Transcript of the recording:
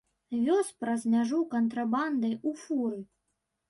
Вёз праз мяжу кантрабандай у фуры.